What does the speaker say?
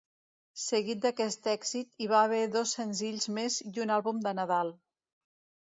Seguit d'aquest èxit, hi va haver dos senzills més i un àlbum de Nadal.